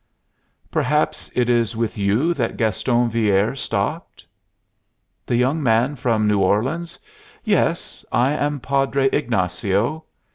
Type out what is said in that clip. "Perhaps it is with you that Gaston Villere stopped?" "The young man from New Orleans? Yes. I am Padre Ignacio."